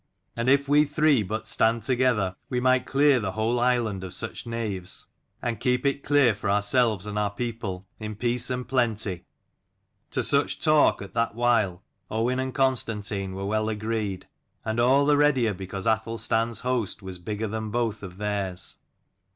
And if we 56 three but stand together, we might clear the whole island of such knaves, and keep it clear for ourselves and our people, in peace and plenty." To such talk at that while Owain and Constantine were well agreed, and all the readier because Athelstan's host was bigger than both of theirs.